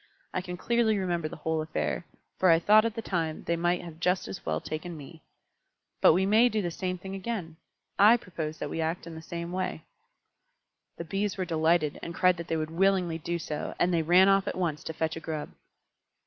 I can clearly remember the whole affair, for I thought at the time that they might just as well have taken me. But we may do the same thing again. I propose that we act in the same way." The Bees were delighted, and cried that they would willingly do so, and they ran off at once to fetch a Grub.